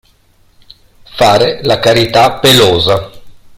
Fare la carità pelosa.